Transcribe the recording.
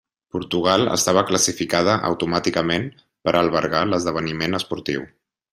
Portugal estava classificada automàticament per albergar l'esdeveniment esportiu.